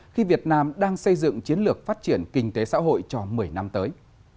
khi việt nam đang xây dựng chiến lược phát triển kinh tế xã hội cho một mươi năm tới